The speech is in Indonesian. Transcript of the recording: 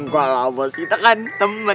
kalau bos kita kan temen